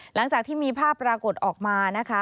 หลังจากที่มีภาพปรากฏออกมานะคะ